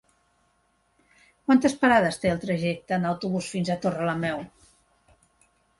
Quantes parades té el trajecte en autobús fins a Torrelameu?